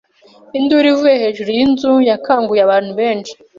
Induru ivuye hejuru y'inzu yakanguye abantu benshi